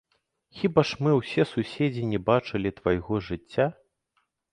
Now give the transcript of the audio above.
Хіба ж мы, усе суседзі, не бачылі твайго жыцця?